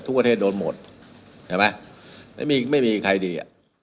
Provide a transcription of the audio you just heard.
ทุกประเทศโดนหมดเห็นไหมไม่มีใครดี